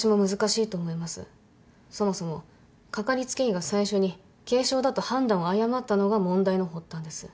そもそもかかりつけ医が最初に軽症だと判断を誤ったのが問題の発端です。